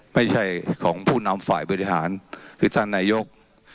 ไม่ใช่ของผู้นำฝ่ายบริหารคือท่านนายก